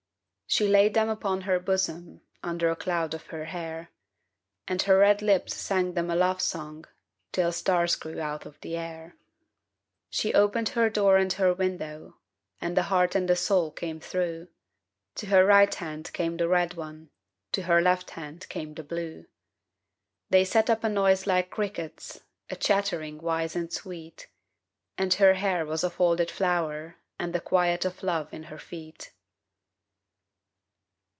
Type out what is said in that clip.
She laid them upon her bosom, Under a cloud of her hair, And her red lips sang them a love song : Till stars grew out of the air. 3 33 She opened her door and her window, And the heart and the soul came through, To her right hand came the red one, To her left hand came the blue. They set up a noise like crickets, A chattering wise and sweet. And her hair was a folded flower And the quiet of love in her feet.